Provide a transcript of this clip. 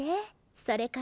それから。